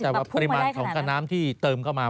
แต่ว่าปริมาณของการน้ำที่เติมเข้ามา